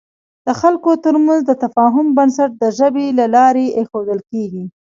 د خلکو تر منځ د تفاهم بنسټ د ژبې له لارې اېښودل کېږي.